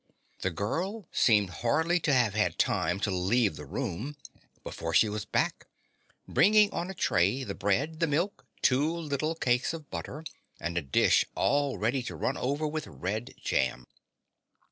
The girl seemed hardly to have had time to leave the room before she was back, bringing on a tray the bread, the milk, two little cakes of butter and a dish all ready to run over with red jam.